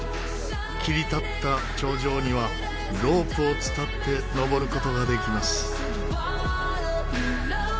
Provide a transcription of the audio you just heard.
切り立った頂上にはロープを伝って登る事ができます。